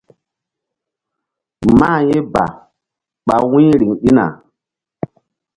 Mah ye ba ɓa wu̧y riŋ ɗina.